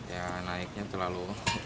ya naiknya terlalu